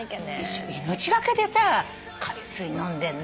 命懸けでさ海水飲んでんのよ。